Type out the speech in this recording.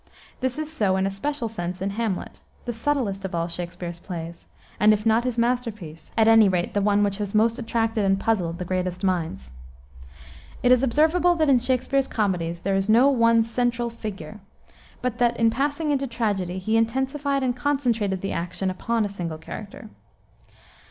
This is so, in a special sense, in Hamlet, the subtlest of all Shakspere's plays, and if not his masterpiece, at any rate the one which has most attracted and puzzled the greatest minds. It is observable that in Shakspere's comedies there is no one central figure, but that, in passing into tragedy, he intensified and concentrated the attention upon a single character.